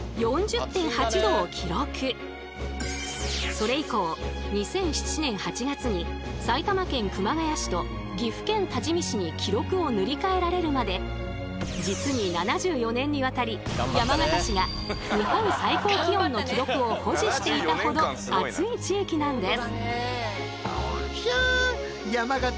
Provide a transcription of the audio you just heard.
それ以降２００７年８月に埼玉県熊谷市と岐阜県多治見市に記録を塗り替えられるまで実に７４年にわたり山形市が日本最高気温の記録を保持していたほど暑い地域なんです。